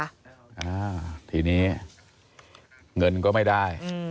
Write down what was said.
อ้าวทีนี้เงินก็ไม่ได้